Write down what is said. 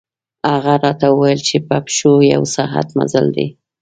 هغه راته ووېل چې په پښو یو ساعت مزل دی.